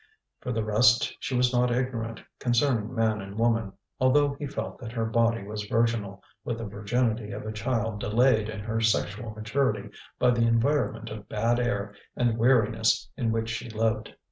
For the rest she was not ignorant concerning man and woman, although he felt that her body was virginal, with the virginity of a child delayed in her sexual maturity by the environment of bad air and weariness in which she lived.